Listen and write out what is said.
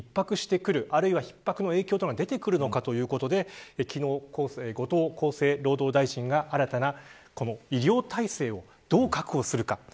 これだけ医療体制が逼迫してくるあるいは逼迫の影響が出てくるのかということで昨日、後藤厚生労働大臣が新たな医療体制をどう確保するか。